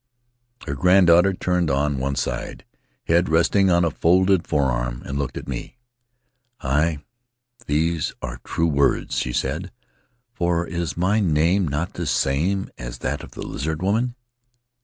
Her Tahitian Tales granddaughter turned on one side — head resting on a folded forearm — and looked at me. 44 Aye, those are true words," she said; "for is my name not the same as that of the Lizard Woman?